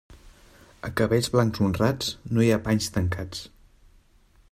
A cabells blancs honrats no hi ha panys tancats.